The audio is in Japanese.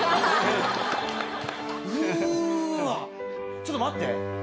ちょっと待って！